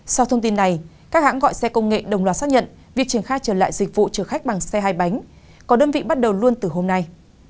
sau thông tin này các hãng gọi xe công nghệ đồng loạt xác nhận việc triển khai trở lại dịch vụ chở khách bằng xe hai bánh có đơn vị bắt đầu luôn từ hôm nay